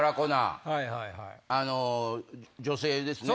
あの女性ですね